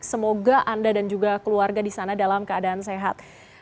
semoga anda dan juga keluarga di sana dalam keadaan sehat